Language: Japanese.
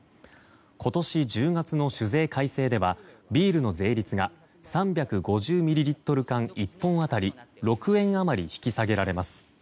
今年１０月の酒税改正ではビールの税率が３５０ミリリットル缶１本当たり６円余り引き下げられます。